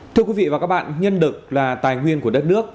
thưa quý vị và các bạn nhân lực là tài nguyên của đất nước